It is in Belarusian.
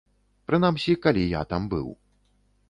Прынамсі, калі я там быў.